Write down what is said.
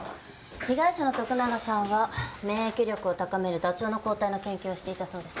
被害者の徳永さんは免疫力を高めるだちょうの抗体の研究をしていたそうです。